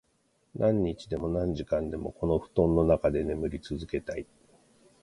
何日でも、何時間でも、この布団の中で眠り続けたい。